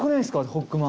ホッグマ。